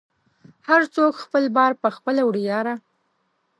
هر څوک خپل بار په خپله وړی یاره